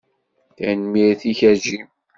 Tanemmirt-ik a Jim.